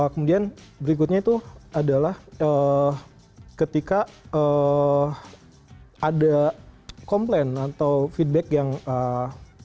kemudian berikutnya itu adalah ketika ada komplain atau feedback yang ee